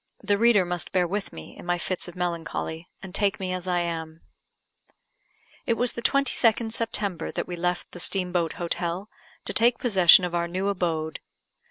The reader must bear with me in my fits of melancholy, and take me as I am. It was the 22nd September that we left the Steam boat Hotel, to take possession of our new abode.